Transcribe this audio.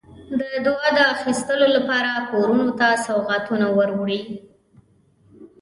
د دعا د اخیستلو لپاره کورونو ته سوغاتونه وروړي.